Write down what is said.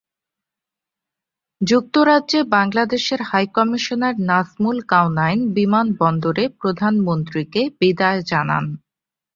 যুক্তরাজ্যে বাংলাদেশের হাইকমিশনার নাজমুল কাওনাইন বিমানন্দরে প্রধানমন্ত্রীকে বিদায় জানান।